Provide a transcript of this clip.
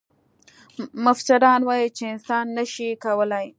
مفسران وايي چې انسان نه شي کولای.